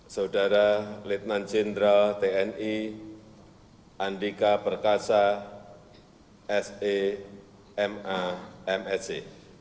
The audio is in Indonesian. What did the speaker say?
saudara lieutenant general tni andika perkasa semamse